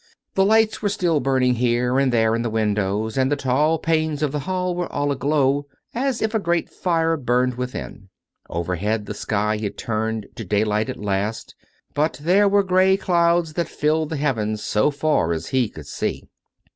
The lights were still burning here and there in the windows, and the tall panes of the hall were all aglow, as if a great fire burned within. Overhead the sky had turned to day light at last, but they were grey clouds that filled the heavens so far as he could see.